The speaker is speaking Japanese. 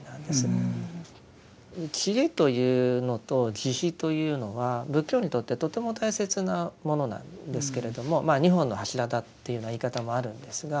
智慧というのと慈悲というのは仏教にとってとても大切なものなんですけれどもまあ二本の柱だっていうような言い方もあるんですが。